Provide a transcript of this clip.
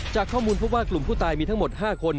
จากข้อมูลพบว่ากลุ่มผู้ตายมีทั้งหมด๕คน